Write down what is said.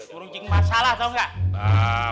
beruncing masalah tau gak